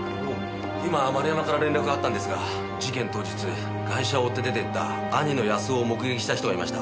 今丸山から連絡があったんですが事件当日ガイシャを追って出ていった兄の康夫を目撃した人がいました。